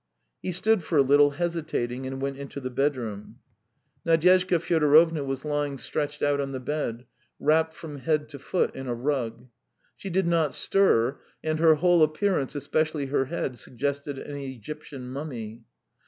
He stood for a little, hesitating, and went into the bedroom. Nadyezhda Fyodorovna was lying stretched out on the bed, wrapped from head to foot in a rug. She did not stir, and her whole appearance, especially her head, suggested an Egyptian mummy.